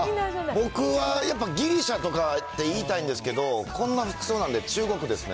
僕はやっぱギリシャとかって言いたいんですけど、こんな服装なんで中国ですね。